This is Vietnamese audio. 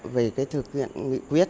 về cái thực hiện nghị quyết